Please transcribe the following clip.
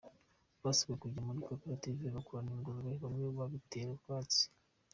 Basabwe kujya muri koperative bakorora ingurube, bamwe babitera utwatsi.